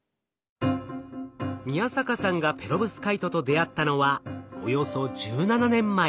宮坂さんがペロブスカイトと出会ったのはおよそ１７年前。